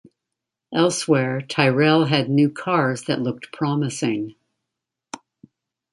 Elsewhere Tyrrell had new cars that looked promising.